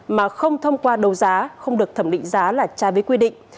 mà không thông qua đầu giá không được thẩm định giá là trai với quy định